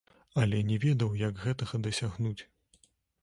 Але не ведаў, як гэтага дасягнуць.